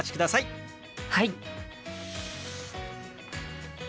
はい。